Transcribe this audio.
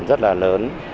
rất là lớn